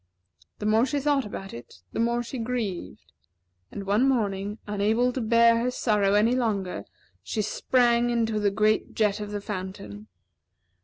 The more she thought about it, the more she grieved; and one morning, unable to bear her sorrow longer, she sprang into the great jet of the fountain.